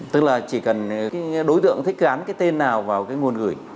tức là chỉ cần đối tượng thích gắn cái tên nào vào cái nguồn gửi